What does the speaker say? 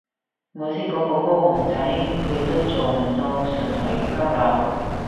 我識嗰個高雄仔佢都做唔到純台語交流